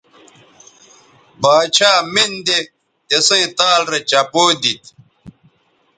باڇھا مِن دے تِسیئں تال رے چپو دیتھ